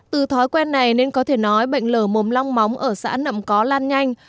từ thói quen này nên có thể nói bệnh lở mồm long móng ở xã nậm có lan nhanh